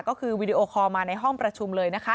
ก็คือวีดีโอคอลมาในห้องประชุมเลยนะคะ